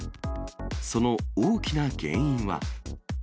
その大きな原因は。